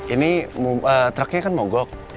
ini truknya kan mogok